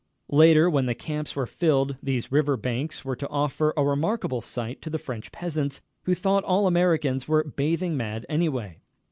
Later, when the camps were filled, these river banks were to offer a remarkable sight to the French peasants, who thought all Americans were bathing mad anyway.